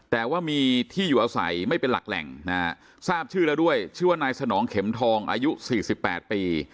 แต่ว่ามีที่อยู่อาศัยไม่เป็นหลักแหล่งนะฮะทราบชื่อแล้วด้วยชื่อว่านายสนองเข็มทองอายุ๔๘ปี